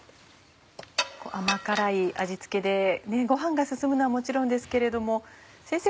甘辛い味付けでご飯が進むのはもちろんですけれども先生